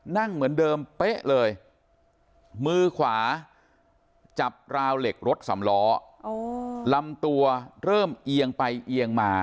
นั่งเหมือนเดิมเป๊ะเลยมือขวาจับราวเหล็กรถสำล้อลำตัวเริ่มเอียงไปเอียงมา